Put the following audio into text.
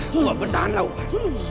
tuhan bertahanlah tuhan